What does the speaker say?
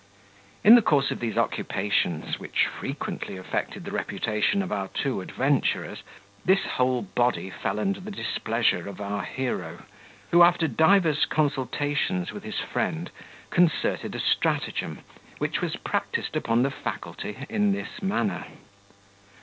In the course of these occupations, which frequently affected the reputation of our two adventurers, this whole body fell under the displeasure of our hero, who, after divers consultations with his friend, concerted a stratagem, which was practised upon the faculty in this manner.